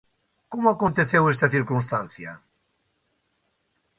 Como aconteceu esta circunstancia?